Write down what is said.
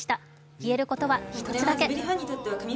言えることは一つだけ。